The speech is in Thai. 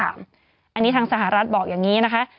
อันนี้ทางสหรัฐบอกอย่างนี้นะคะ